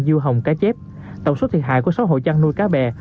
dưa hồng cá chép tổng số thiệt hại của sáu hộ chăn nuôi cá bè